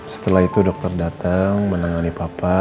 setelah itu dokter datang menangani papa